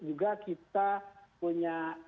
juga kita punya artificial test